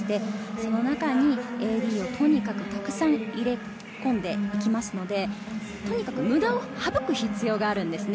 その中にＡＤをとにかくたくさん入れ込んでいきますので、とにかく無駄を省く必要があるんですね。